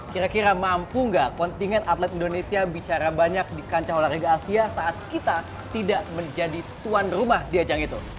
kira kira mampu nggak kontingen atlet indonesia bicara banyak di kancah olahraga asia saat kita tidak menjadi tuan rumah di ajang itu